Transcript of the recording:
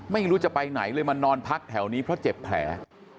ไม่รู้จะไปไหนเลยมานอนพักแถวนี้เพราะเจ็บแผล